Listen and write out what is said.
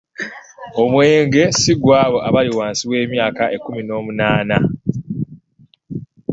Omwenge si gwabo abali wansi w'emyaka ekkumi n'omunaana.